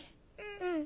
うん。